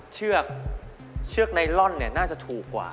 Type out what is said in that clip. เชือกไนลอนน่าจะถูกกว่า